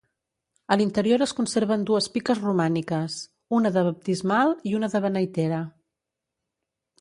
A l'interior es conserven dues piques romàniques, una de baptismal i una de beneitera.